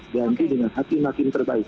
ganti dengan hakim hakim terbaik